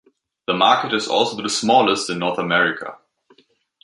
The market is also the smallest in North America.